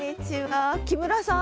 木村さん？